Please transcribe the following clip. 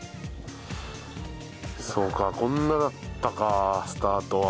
そうかこんなだったかスタートは。